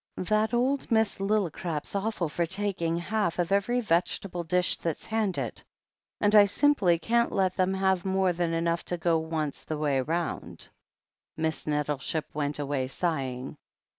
That old Miss Lillicrap's awful for taking half of every vegetable dish that's handed. THE HEEL OF ACHILLES 107 and I simply can't let them have more than enough to go once the way rotind." Miss Nettleship went away, sighing.